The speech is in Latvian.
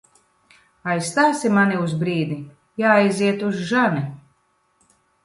Aizstāsi mani uz brīdi? Jāaiziet uz žani.